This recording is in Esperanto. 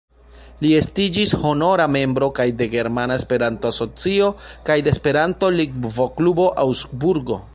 Li estiĝis honora membro kaj de Germana Esperanto-Asocio kaj de Esperanto-Lingvoklubo Aŭgsburgo.